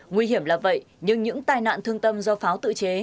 nguy hiểm là vậy nhưng những tai nạn thương tâm do pháo tự chế